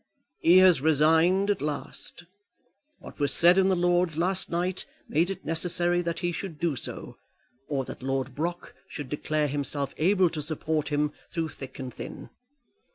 "He has resigned at last. What was said in the Lords last night made it necessary that he should do so, or that Lord Brock should declare himself able to support him through thick and thin.